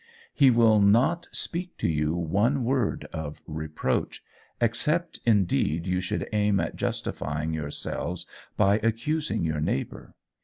He will not speak to you one word of reproach, except indeed you should aim at justifying yourselves by accusing your neighbour.